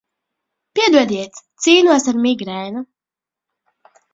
Piedodiet, cīnos ar migrēnu.